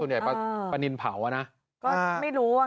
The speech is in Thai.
ส่วนใหญ่ปลานินเผานะก็ไม่รู้